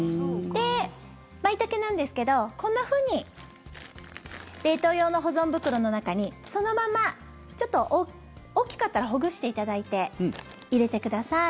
マイタケなんですけどこんなふうに冷凍用の保存袋の中に、そのまま大きかったらほぐしていただいて入れてください。